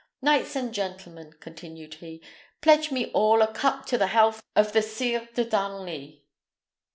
Knights and gentlemen," continued he, "pledge me all a cup to the health of the Sire de Darnley."